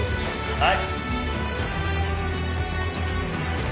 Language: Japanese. はい。